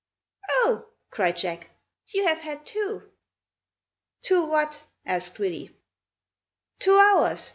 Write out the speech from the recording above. "Oh!" cried Jack. "You have had two!" "Two what?" asked Willy. "Two hours!"